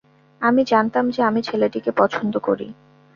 আমি জানতাম যে আমি ছেলেটিকে পছন্দ করি।